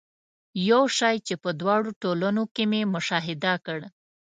یو شی چې په دواړو ټولنو کې مې مشاهده کړ.